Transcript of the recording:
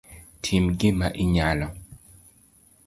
Tim gima inyalo